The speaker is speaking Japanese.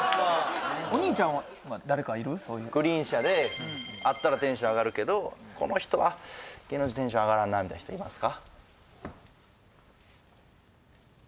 グリーン車で会ったらテンション上がるけどこの人は芸能人テンション上がらんなみたいな人いますか？